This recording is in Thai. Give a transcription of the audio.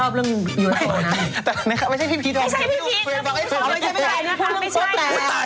ถ้าคิดอย่างนี้อยากรู้เป็นใครเดียวกับมันอะไร